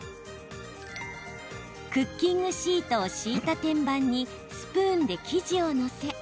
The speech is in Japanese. クッキングシートを敷いた天板にスプーンで生地を載せ